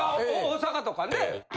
大阪とかね。